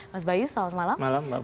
mas bayu selamat malam